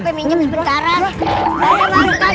terima kasih gondos